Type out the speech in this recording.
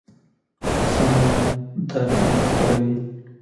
سم نیت درد نه خپروي.